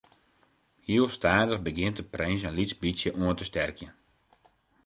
Heel stadich begjint de prins in lyts bytsje oan te sterkjen.